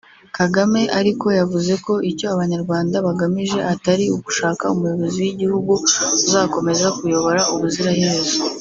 Kagame ariko yavuze ko icyo abanyarwanda bagamije atari ugushaka umuyobozi w’igihugu uzakomeza kuyobora ubuzira herezo